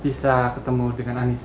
bisa ketemu dengan anissa